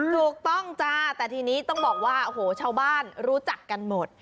ถูกต้องจ้าแต่ทีนี้ต้องบอกว่าโอ้โหชาวบ้านรู้จักกันหมด